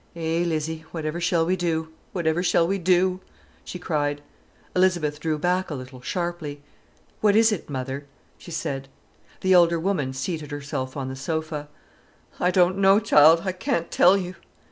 "Eh, Lizzie, whatever shall we do, whatever shall we do!" she cried. Elizabeth drew back a little, sharply. "What is it, mother?" she said. The elder woman seated herself on the sofa. "I don't know, child, I can't tell you!"